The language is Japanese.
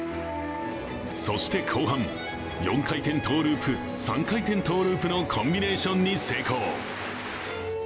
そして後半４回転トゥループ３回転トゥループのコンビネーションに成功。